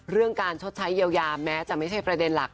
เรื่องการชดใช้เยียวยาแม้จะไม่ใช่ประเด็นหลัก